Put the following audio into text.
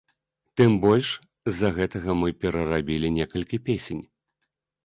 Тым больш, з-за гэтага мы перарабілі некалькі песень.